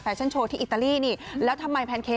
ไม่ใครไม่ได้ไปงานนั้นค่ะ